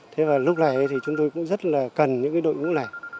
thế và lúc này thì chúng tôi cũng rất là cần những cái đội ngũ này